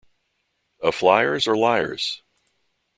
A Fliers or Liars?